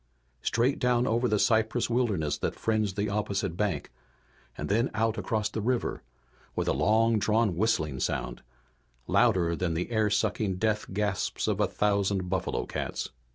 Straight down over the cypress wilderness that fringed the opposite bank, and then out across the river with a long drawn whistling sound, louder than the air sucking death gasps of a thousand buffalo cats.